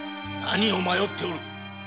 何を迷っておる！